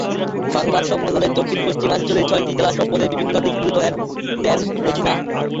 সংবাদ সম্মেলনে দক্ষিণ-পশ্চিমাঞ্চলের ছয়টি জেলা সফরের বিভিন্ন দিক তুলে ধরেন ড্যান মজীনা।